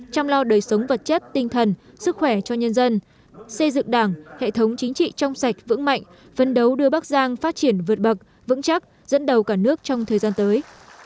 chăm lo đời sống vật chất tinh thần sức khỏe cho nhân dân xây dựng đảng hệ thống chính trị trong sạch vững mạnh phân đấu đưa bắc giang phát triển vượt bậc vững chắc dẫn đầu cả nước trong thời gian tới